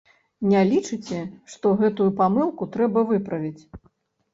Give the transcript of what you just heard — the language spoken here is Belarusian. Не лічыце, што гэтую памылку трэба выправіць?